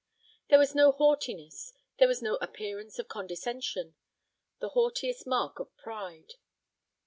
There was no haughtiness; there was no appearance of condescension: the haughtiest mark of pride.